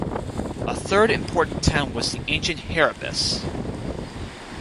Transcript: A third important town was the ancient Haribus.